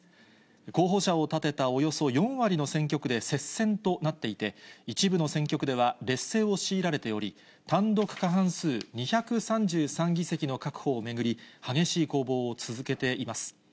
候補者を立てたおよそ４割の選挙区で接戦となっていて、一部の選挙区では劣勢を強いられており、単独過半数２３３議席の確保を巡り、激しい攻防を続けています。